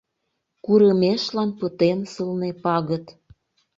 Курымешлан пытен сылне пагыт.